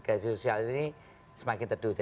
ya dauduh soal perhubungan di indonesia